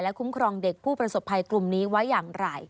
คุ้มครองเด็กผู้ประสบภัยกลุ่มนี้ไว้อย่างไร